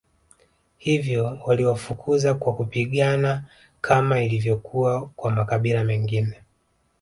Hivyo waliwafukuza kwa kupigana kama ilivyokuwa kwa makabila mengi